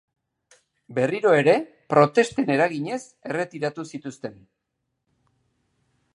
Berriro ere, protesten eraginez erretiratu zituzten.